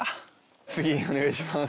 次お願いします。